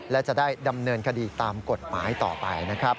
และจะได้ดำเนินคดีตามกฎหมายต่อไปนะครับ